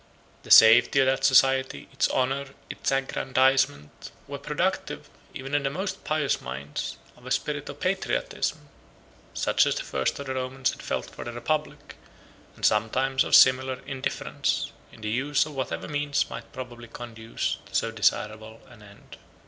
The safety of that society, its honor, its aggrandizement, were productive, even in the most pious minds, of a spirit of patriotism, such as the first of the Romans had felt for the republic, and sometimes of a similar indifference, in the use of whatever means might probably conduce to so desirable an end.